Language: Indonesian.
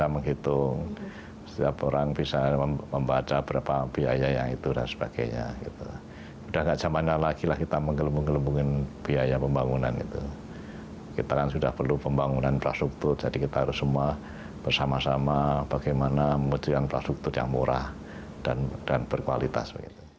menjelang produk yang murah dan berkualitas